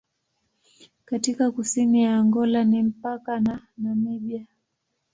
Katika kusini ya Angola ni mpaka na Namibia.